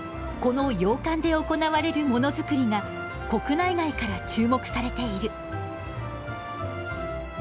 この洋館で行われるモノづくりが国内外から注目されている。